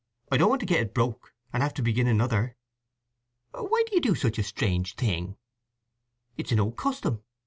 I don't want to get it broke, and have to begin another." "Why do you do such a strange thing?" "It's an old custom.